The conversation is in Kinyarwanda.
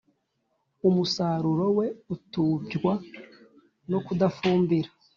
Umusaruro we utubywa no kudafumbira